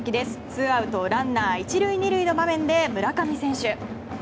ツーアウト、ランナー１塁２塁の場面で、村上選手。